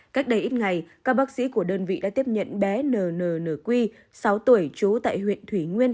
cách đây ít ngày các bác sĩ của đơn vị đã tiếp nhận bé nnnq sáu tuổi chú tại huyện thủy nguyên